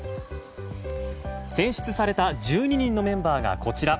選出された１２人のメンバーがこちら。